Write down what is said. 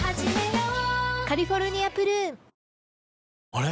あれ？